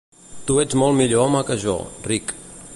Tu ets molt millor home que jo, Rick.